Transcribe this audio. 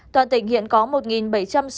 toàn tỉnh hiện tại đã tăng ca f